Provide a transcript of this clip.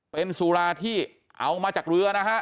เป็นสุราที่เอามาจากเรือนะฮะ